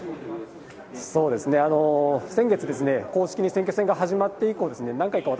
そうですね、先月、公式に選挙戦が始まって以降、何回か